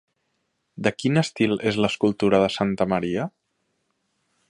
De quin estil és l'escultura de santa Maria?